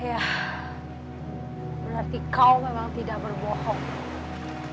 ya berarti kau memang tidak berbohong